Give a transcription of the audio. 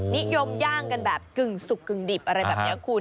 นิยมย่างกันแบบกึ่งสุกกึ่งดิบอะไรแบบนี้คุณ